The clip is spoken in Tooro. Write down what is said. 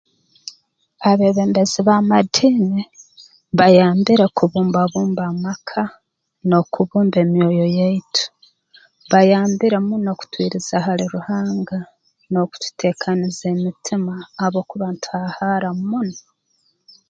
Abeebembezi b'amadini bayambire kubumba bumba amaka n'okubumba emyoyo yaitu bayambire muno kutwiriza hali Ruhanga n'okututeekaniza emitima habwokuba ntuhaahaara muno